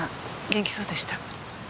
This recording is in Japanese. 元気そうでした？